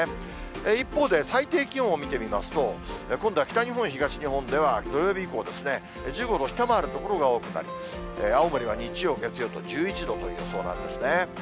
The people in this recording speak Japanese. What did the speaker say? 一方で最低気温を見てみますと、今度は北日本、東日本では、土曜日以降、１５度を下回る所が多くなり、青森は日曜、月曜と１１度という予想なんですね。